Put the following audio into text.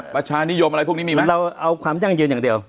ประชานิยมอะไรพวกนี้มีไหมเราเอาความยั่งยืนอย่างเดียว